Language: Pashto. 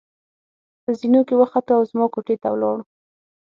په زېنو کې وختو او زما کوټې ته ولاړو.